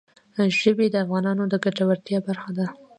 ژبې د افغانانو د ګټورتیا برخه ده.